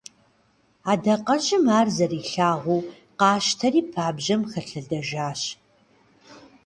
Адакъэжьым ар зэрилъагъуу къащтэри, пабжьэм хэлъэдэжащ.